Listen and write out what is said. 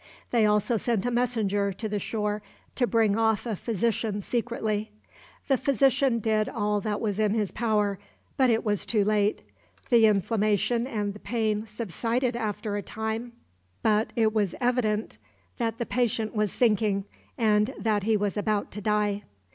They also sent a messenger to the shore to bring off a physician secretly. The physician did all that was in his power, but it was too late. The inflammation and the pain subsided after a time, but it was evident that the patient was sinking, and that he was about to die.